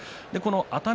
熱海